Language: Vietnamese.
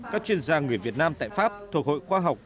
các chuyên gia người việt nam tại pháp thuộc hội khoa học